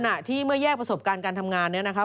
ขณะที่เมื่อแยกประสบการณ์การทำงานเนี่ยนะครับ